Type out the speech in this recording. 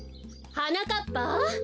・はなかっぱ！